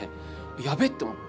やべっと思って。